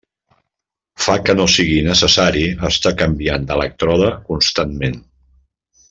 Fa que no sigui necessari estar canviant d'elèctrode constantment.